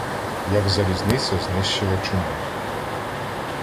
Як залізниця знищила чума